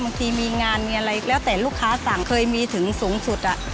บางทีมีงานมีอะไรแล้วแต่ลูกค้าสั่งเคยมีถึงสูงสุด